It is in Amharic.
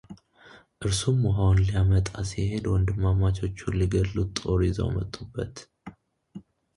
እርሱም ውሃውን ሊያመጣ ሲሄድ ወንድማማቾቹ ሊገድሉት ጦር ይዘው መጡበት፡፡